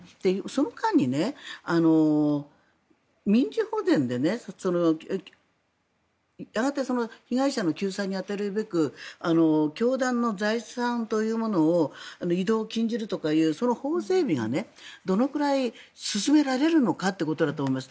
その間に民事保全でやがて被害者の救済に当たるべく教団の財産というものを移動を禁じるとか、その法整備がどのくらい進められるのかということだと思います。